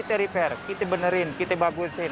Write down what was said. kita lihat kita repair kita benerin kita bagusin